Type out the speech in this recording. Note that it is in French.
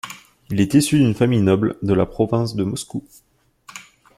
Il est issu d'une famille noble de la province de Moscou.